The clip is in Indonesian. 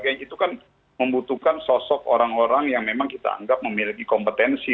itu kan membutuhkan sosok orang orang yang memang kita anggap memiliki kompetensi